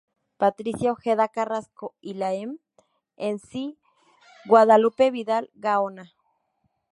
Patricia Ojeda Carrasco y la M. en C. Guadalupe Vidal Gaona.